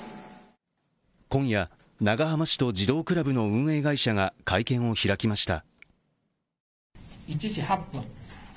今夜、長浜市と児童クラブの運営会社が会見を開きました。